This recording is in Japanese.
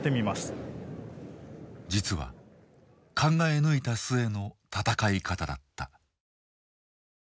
実は考え抜いた末の戦い方だった。